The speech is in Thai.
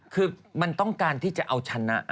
คือมันต้องการที่จะเอาชนะ